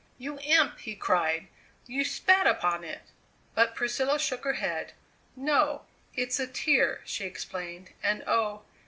"You imp!" he cried; "you spat upon it!" But Priscilla shook her head. "No it's a tear," she explained; "and, oh!